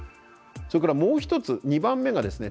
それからもう一つ２番目がですね